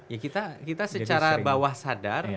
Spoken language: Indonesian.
ya kita secara bawah sadar